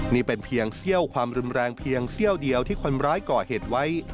นี่เป็นเพียงเซี่ยวความรุนแรงเพียงเสี้ยวเดียวที่คนร้ายก่อเหตุไว้